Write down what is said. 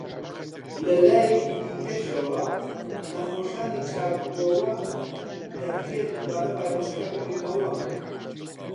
لە لایەکی دیکەشەوە، نەخۆشانی چاکبووەوە دەکرێت دووبارە ڤایرۆسەکە بگرنەوە.